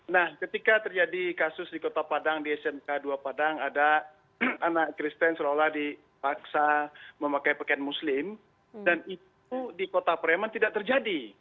nah ketika terjadi kasus di kota padang di smk dua padang ada anak kristen seolah olah dipaksa memakai pakaian muslim dan itu di kota preman tidak terjadi